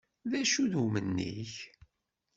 D acu-t umenni-k?